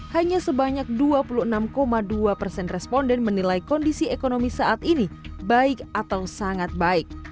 hanya sebanyak dua puluh enam dua persen responden menilai kondisi ekonomi saat ini baik atau sangat baik